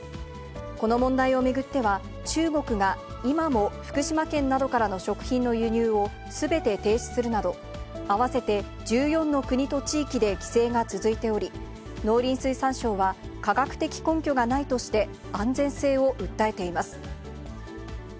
この問題を巡っては、中国が今も福島県などからの食品の輸入をすべて停止するなど、合わせて１４の国と地域で規制が続いており、農林水産省は、科学的根拠がないとして、安全性を訴えています。